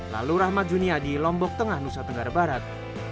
lalu rahmat junia di lombok tengah nusa tenggara barat